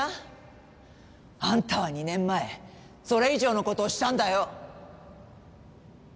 あんたは２年前それ以上のことをしたんだよ。